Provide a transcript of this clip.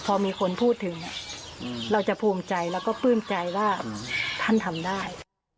พอมีคนพูดถึงเราจะภูมิใจแล้วก็ปลื้มใจว่าท่านทำได้